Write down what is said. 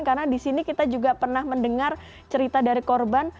karena disini kita juga pernah mendengar cerita dari korban